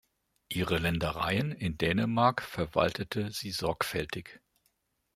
Ihre Ländereien in Dänemark verwaltete sie sorgfältig.